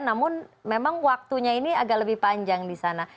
namun memang waktunya ini agak lebih panjang di sana